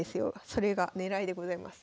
それが狙いでございます。